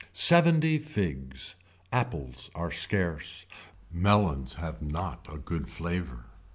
Seventy figs. Apples are scarce. Melons have not a good flavor.